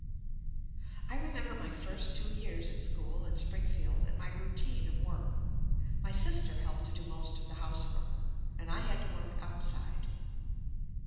I remember my first two years at school in Springfield and my routine of work. My sis ter helped to do most of the housework, and I had to work outside.